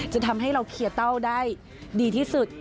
จะทำให้เราเคลียร์เต้าได้ดีที่สุด